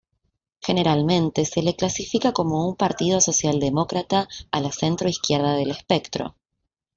Generalmente se le clasifica como un partido socialdemócrata a la centroizquierda del espectro.